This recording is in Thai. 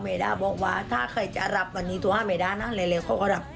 เมด้าบอกว่าถ้าใครจะหลับวันนี้ตัวห้าเมด้าน่ะหลายเขาก็หลับ